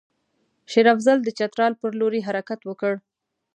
شېر افضل د چترال پر لوري حرکت وکړ.